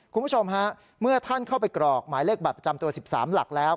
คุณผู้ชมฮะเมื่อท่านเข้าไปกรอกหมายเลขบัตรประจำตัว๑๓หลักแล้ว